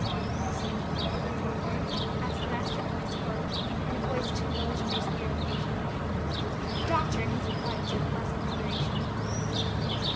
"Is there no hope for the poor woman?" asked the master of Myst Court in a voice too low to reach the ear of the patient. The doctor, in his reply, observed less consideration.